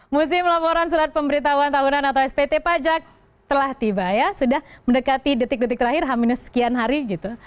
musim laporan surat pemberitahuan tahunan atau spt pajak telah tiba ya sudah mendekati detik detik terakhir h sekian hari gitu